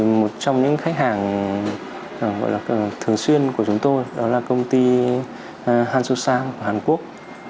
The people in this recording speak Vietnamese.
một trong những khách hàng thường xuyên của chúng tôi đó là công ty hansu sang của hàn quốc